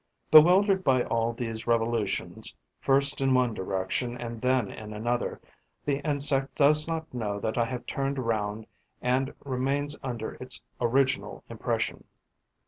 Bewildered by all these revolutions first in one direction and then in another, the insect does not know that I have turned round and remains under its original impression.